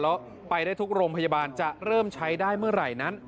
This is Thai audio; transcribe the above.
แล้วไปได้ทุกโรงพยาบาลจะเริ่มใช้ได้เมื่อไหร่นั้น